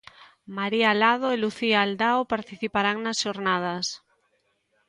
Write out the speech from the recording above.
María Lado e Lucía Aldao participarán nas xornadas.